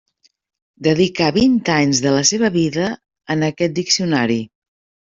Dedicà vint anys de la seva vida en aquest diccionari.